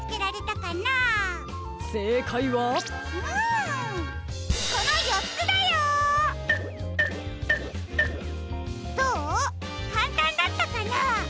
かんたんだったかな？